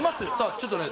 ちょっとね